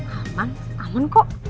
aman aman kok